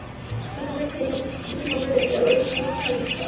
Su nombre, Kai-lan, es el nombre del creador en chino, Karen Chau.